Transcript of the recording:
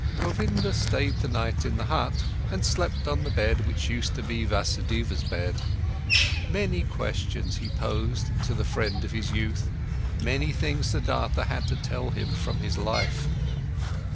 Govinda stayed the night in the hut and slept on the bed which used to be Vasudeva's bed. Many questions he posed to the friend of his youth, many things Siddhartha had to tell him from his life.